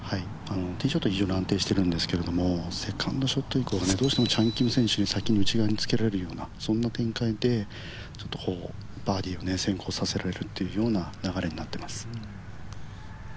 ティーショットは非常に安定しているんですけれども、セカンドショット以降がどうしてもチャン・キム選手に先に内側につけられるような、そんな展開でバーディーを先行させられるという流れになっています。